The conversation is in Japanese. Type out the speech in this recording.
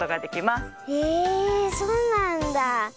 えそうなんだ。